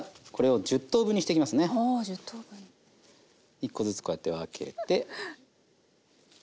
１コずつこうやって分けて。